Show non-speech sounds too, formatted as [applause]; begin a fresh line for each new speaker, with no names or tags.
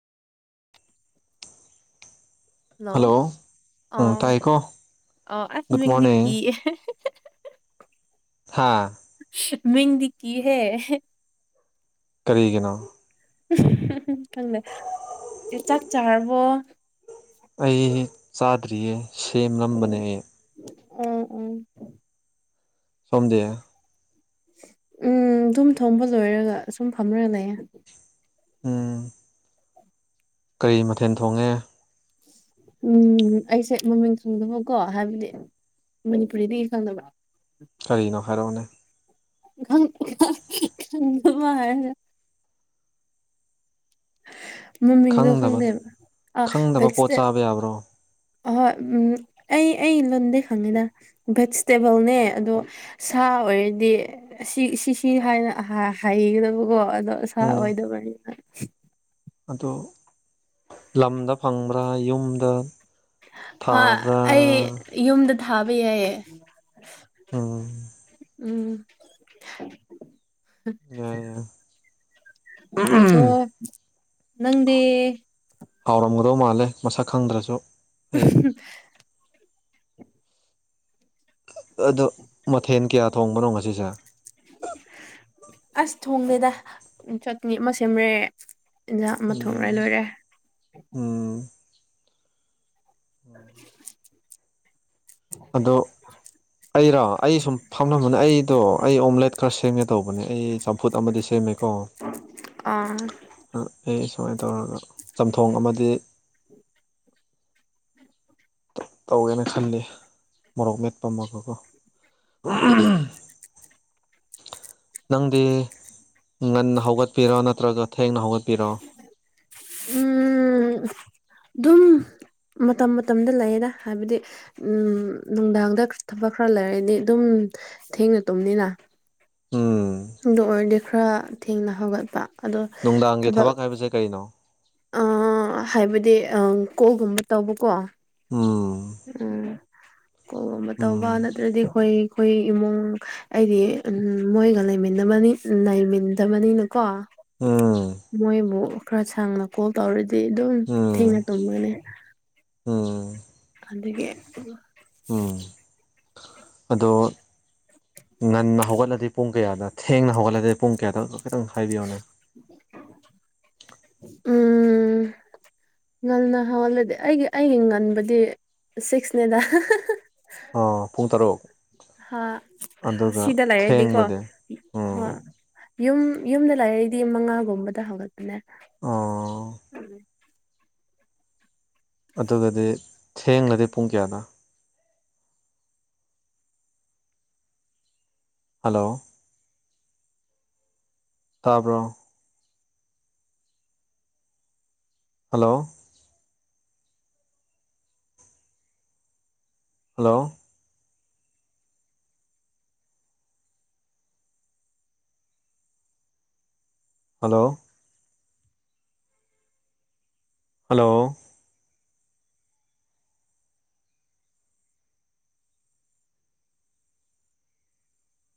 Hello ꯑ
ꯎꯝ ꯇꯥꯏꯀꯣ
ꯑ ꯑꯁ
ꯒꯨꯗ
ꯃꯤꯡꯗꯤ
ꯃꯣꯔꯅꯤꯡ
ꯀꯥ
ꯍꯥꯥ
ꯁ ꯃꯤꯡꯗꯤ ꯀꯤꯍꯦ
ꯀꯔꯤꯒꯤꯅꯣ
ꯈꯪꯗꯦ ꯆꯥꯛ ꯆꯥꯔꯕꯣ
ꯑꯩ ꯆꯥꯗ꯭ꯔꯤꯌꯦ
ꯎꯝ
ꯁꯦꯝꯂꯝꯕꯅꯦ
ꯎꯝ ꯎꯝ
ꯁꯣꯝꯗꯦ
ꯎꯝ ꯑꯗꯨꯝ ꯊꯣꯡꯕ ꯂꯣꯏꯔꯒ ꯁꯨꯝ ꯐꯝꯔꯒ ꯂꯩꯌꯦ
ꯎꯝ ꯀꯔꯤ ꯃꯊꯦꯜ ꯊꯣꯡꯉꯦ
ꯎꯝ ꯑꯩꯁꯦ ꯃꯃꯤꯡ ꯈꯡꯗꯕꯀꯣ ꯍꯥꯏꯕꯗꯤ ꯃꯅꯤꯄꯨꯔꯤꯗꯒꯤ ꯈꯪꯗꯕ꯭ꯔꯥ
ꯀꯔꯤꯅꯣ ꯍꯥꯏꯔꯛꯑꯣꯅꯦ
ꯪꯪ [unintelligible] ꯃꯃꯤꯡꯗꯣ
ꯈꯪꯗꯕ
ꯈꯪꯗꯦꯕ ꯑꯥ
ꯈꯪꯗꯕ ꯄꯣꯠ
ꯕꯦꯠꯁꯇꯦꯕ
ꯆꯥꯕ ꯌꯥꯕ꯭ꯔꯣ
ꯑꯍꯣꯏ ꯑꯩ ꯑꯩ ꯂꯣꯟꯗꯩ ꯈꯪꯉꯤꯗ ꯚꯦꯖꯤꯇꯦꯕꯜꯅꯦ ꯑꯗꯣ ꯁꯥ ꯑꯣꯏꯔꯗꯤ ꯁꯤ ꯁꯤꯁꯤ ꯍꯥꯏꯅ ꯍꯥꯏꯒꯗꯕꯀꯣ ꯑꯗꯣ ꯁꯥ
ꯎꯝ
ꯑꯣꯏꯗꯕꯅꯤꯅ
ꯑꯗꯨ ꯂꯝꯗ ꯐꯪꯕ꯭ꯔꯥ ꯌꯨꯝꯗ
ꯍꯥ
ꯊꯥꯕ꯭ꯔꯥ
ꯑꯩ ꯌꯨꯝꯗ ꯊꯥꯕ ꯌꯥꯏꯌꯦꯦ
ꯎꯝ
ꯎꯝ
ꯌꯥꯏ ꯌꯥꯏ
ꯑꯗꯣ ꯅꯪꯗꯤ
ꯍꯥꯎꯔꯝꯒꯗꯧ ꯃꯥꯜꯂꯦ ꯃꯁꯛ ꯈꯪꯗ꯭ꯔꯁꯨ ꯑꯩ
[unintelligible]
ꯑꯗꯣ ꯃꯊꯦꯜ ꯀꯌꯥ ꯊꯣꯡꯕꯅꯣ ꯉꯁꯤꯁꯦ
ꯑꯁ ꯊꯣꯡꯗꯦꯗ ꯆꯠꯅꯤ ꯑꯃ ꯁꯦꯝꯔꯦ ꯌꯦꯟꯖꯥꯡ ꯑꯃ ꯊꯣꯡꯅ
ꯎꯝ
ꯂꯣꯏꯔꯦ
ꯎꯝ [inaudible] ꯑꯗꯣ ꯑꯩꯔꯣ ꯑꯩ ꯁꯨꯝ ꯐꯝꯅꯕꯅꯦ ꯑꯩꯗꯣ ꯑꯩ ꯑꯣꯝꯂꯦꯠ ꯈꯔ ꯁꯦꯝꯒꯦ ꯇꯧꯕꯅꯦ ꯑꯩ ꯆꯝꯐꯨꯠ ꯑꯃꯗꯤ ꯁꯦꯝꯃꯦꯀꯣ
ꯑꯥ
ꯑꯩ ꯁꯨꯃꯥꯏꯅ ꯇꯧꯔꯒ ꯆꯝꯊꯣꯡ ꯑꯃꯗꯤ ꯇꯧꯋꯦꯅ ꯈꯜꯂꯤ ꯃꯣꯔꯣꯛ ꯃꯦꯠꯄꯝꯃꯒꯀꯣ [unintelligible] ꯅꯪꯗꯤ ꯉꯟꯅ ꯍꯧꯒꯠꯄꯤꯔꯣ ꯅꯠꯇ꯭ꯔꯒ ꯊꯦꯡꯅ ꯍꯧꯒꯠꯄꯤꯔꯣ
ꯎꯝ ꯑꯗꯨꯝ ꯃꯇꯝ ꯃꯇꯝꯗ ꯂꯩꯌꯦꯅ ꯍꯥꯏꯕꯗꯤ ꯎꯝ ꯅꯨꯡꯗꯥꯡꯗ ꯊꯕꯛ ꯈꯔ ꯂꯩꯔꯗꯤ ꯑꯗꯨꯝ ꯊꯦꯡꯅ ꯇꯨꯝꯅꯤꯅ
ꯎꯝ
ꯑꯗꯨ ꯑꯣꯏꯔꯗꯤ ꯈꯔ ꯊꯦꯡꯅ ꯍꯧꯒꯠꯄ ꯑꯗꯣ
ꯅꯨꯡꯗꯥꯡꯒꯤ
ꯊꯕꯛ
ꯍꯥꯏꯕꯁꯦ ꯀꯔꯤꯅꯣ
ꯍꯥꯏꯕꯗꯤ ꯀꯣꯜꯒꯨꯝꯕ ꯇꯧꯕꯀꯣ
ꯎꯝ
ꯎꯝ ꯀꯣꯒꯨꯝꯕ ꯇꯧꯕ
ꯎꯝ
ꯅꯠꯇ꯭ꯔꯗꯤ ꯑꯩꯈꯣꯏ ꯑꯩꯈꯣꯏ ꯏꯃꯨꯡ ꯑꯩꯗꯤ ꯃꯣꯏꯒ ꯂꯩꯃꯤꯟꯅꯕꯅꯤ ꯂꯩꯃꯤꯟꯅꯗꯕꯅꯤꯅꯀꯣ
ꯎꯝ
ꯃꯣꯏꯕꯨ ꯈꯔ ꯁꯥꯡꯅ ꯀꯣꯜ ꯇꯧꯔꯗꯤ ꯑꯗꯨꯝ
ꯎꯝ
ꯊꯦꯡꯅ ꯇꯨꯝꯒꯅꯤ
ꯎꯝ
ꯑꯗꯨꯗꯒꯤ
ꯎꯝ ꯑꯗꯣ ꯉꯟꯅ ꯍꯧꯒꯠꯂꯗꯤ ꯄꯨꯡ ꯀꯌꯥꯗ ꯊꯦꯡꯅ ꯍꯧꯒꯠꯂꯗꯤ ꯄꯨꯡ ꯀꯌꯥꯗꯣ ꯈꯤꯇꯪ ꯍꯥꯏꯕꯤꯌꯨꯅꯦ [inaudible]
ꯎꯝ ꯉꯟꯅ ꯍꯧꯍꯜꯂꯗꯤ ꯑꯩꯒꯤ ꯑꯩꯒꯤ ꯉꯟꯕꯗꯤ ꯁꯤꯛꯁꯅꯦꯗ
ꯑ ꯄꯨꯡ ꯇꯔꯨꯛ
ꯍꯥ
ꯑꯗꯨꯒ
ꯁꯤꯗ ꯂꯩꯔꯗꯤꯀꯣ
ꯊꯦꯡꯕꯗꯤ ꯎꯝ
ꯍꯣꯏ ꯌꯨꯝ ꯌꯨꯝꯗ ꯂꯥꯛꯏꯗꯤ ꯃꯉꯥꯒꯨꯝꯕꯗ ꯍꯧꯒꯠꯄꯅꯦ
ꯑ ꯑꯗꯨꯒꯗꯤ ꯊꯦꯡꯂꯗꯤ ꯄꯨꯡ ꯀꯌꯥꯅꯣ ꯍꯜꯂꯣ ꯇꯥꯕꯔꯣ꯫ Hello hello hello hello